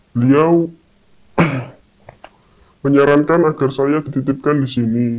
beliau menyarankan agar saya dititipkan di sini